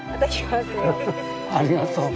フフありがとう。